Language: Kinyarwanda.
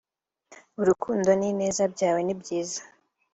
urukundo n ineza byawe nibyiza